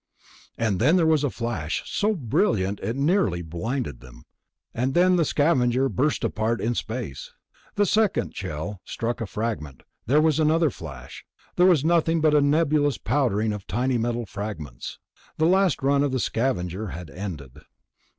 And then there was a flash, so brilliant it nearly blinded them, and the Scavenger burst apart in space. The second shell struck a fragment; there was another flash. Then there was nothing but a nebulous powdering of tiny metal fragments. The last run of the Scavenger had ended.